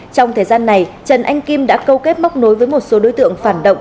trong thời gian này trần anh kim đã câu kết móc nối với một số đối tượng phản động